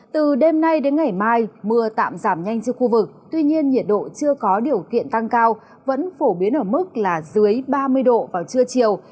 từ đêm nay đến ngày mai mưa tạm giảm nhanh trên khu vực tuy nhiên nhiệt độ chưa có điều kiện tăng cao vẫn phổ biến ở mức là dưới ba mươi độ vào trưa chiều